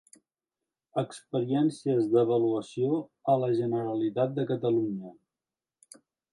Experiències d'avaluació a la Generalitat de Catalunya.